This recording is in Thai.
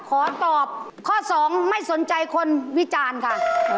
ขอตอบข้อสองไม่สนใจคนวิจารณ์ค่ะ